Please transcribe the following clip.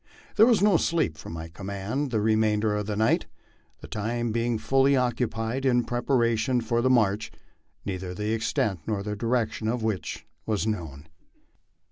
There was no sleep for my com mand the remainder of the night, the time being fully occupied in preparation for the march, neither the extent nor direction of which was known.